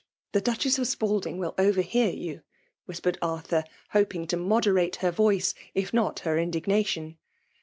— the Duchess of Spalding w^V overhear you !" whispered Arthur, hoping tp moderate her voice, if not her indignation.